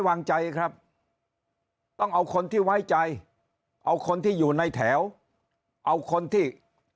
วางใจครับต้องเอาคนที่ไว้ใจเอาคนที่อยู่ในแถวเอาคนที่